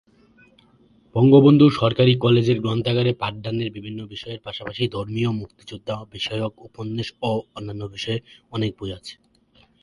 বঙ্গবন্ধু সরকারি কলেজের গ্রন্থাগারে পাঠদানের বিভিন্ন বিষয়ের পাশাপাশি ধর্মীয়, মুক্তিযোদ্ধা বিষয়ক, উপন্যাস ও অন্যান্য বিষয়ে অনেক বই আছে।